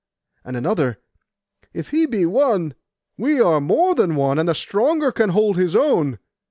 And another, 'If he be one, we are more than one; and the stronger can hold his own.